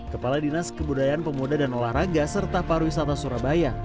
kepala dinas kemudayaan pemuda dan olahraga serta parwisata surabaya